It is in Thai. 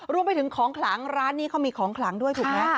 รวมไปถึงของขลังร้านนี้เขามีของขลังด้วยถูกไหม